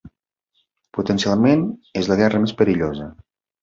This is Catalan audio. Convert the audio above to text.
Potencialment, és la guerra més perillosa.